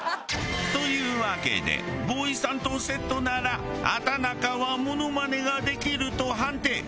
というわけでボーイさんとセットなら畠中はモノマネができると判定。